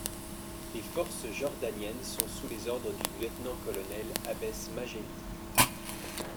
Les forces jordaniennes sont sous les ordres du lieutenant-colonel Habes Majelli.